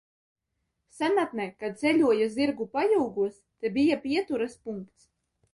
Senatnē, kad ceļoja zirgu pajūgos, te bija pieturas punkts.